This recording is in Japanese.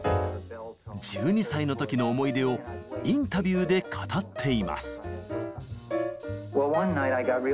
１２歳の時の思い出をインタビューで語っています。